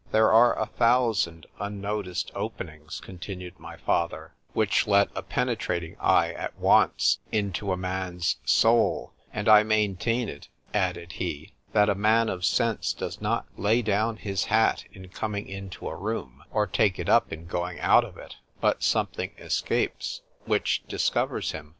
——There are a thousand unnoticed openings, continued my father, which let a penetrating eye at once into a man's soul; and I maintain it, added he, that a man of sense does not lay down his hat in coming into a room,—or take it up in going out of it, but something escapes, which discovers him.